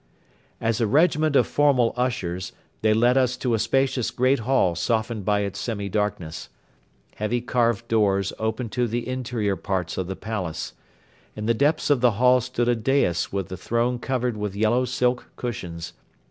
As a regiment of formal ushers they led us to a spacious great hall softened by its semi darkness. Heavy carved doors opened to the interior parts of the palace. In the depths of the hall stood a dais with the throne covered with yellow silk cushions.